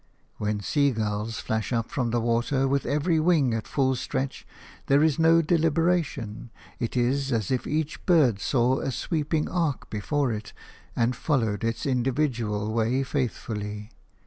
When seagulls flash up from the water with every wing at full stretch there is no deliberation; it is as if each bird saw a sweeping arc before it and followed its individual way faithfully.